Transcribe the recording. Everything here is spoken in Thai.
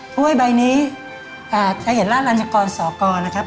ถ้วยใบนี้จะเห็นราชัญกรสอกรนะครับ